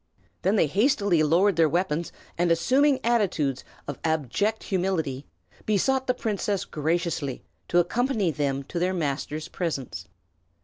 Then they hastily lowered their weapons, and assuming attitudes of abject humility, besought the princess graciously to accompany them to their master's presence.